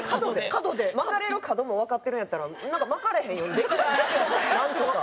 まかれる角もわかってるんやったらなんかまかれへんようにできるなんとか。